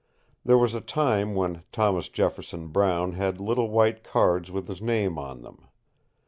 There was a time when Thomas Jefferson Brown had little white cards with his name on them.